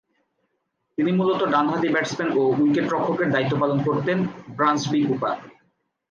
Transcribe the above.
তিনি মূলতঃ ডানহাতি ব্যাটসম্যান ও উইকেট-রক্ষকের দায়িত্ব পালন করতেন ব্রান্সবি কুপার।